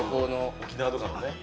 ◆沖縄とかのね。